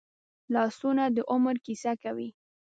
لاسونه د عمر کیسه کوي